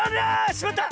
しまった！